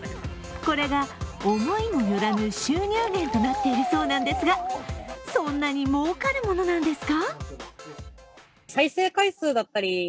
これが思いもよらぬ収入源となっているそうなんですがそんなに、もうかるものなのですか？